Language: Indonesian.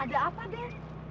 ada apa den